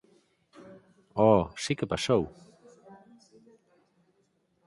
Oh, si que pasou!